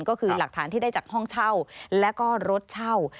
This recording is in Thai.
ก็คือหลักฐานที่ได้จากห้องเช่าและก็รถเช่า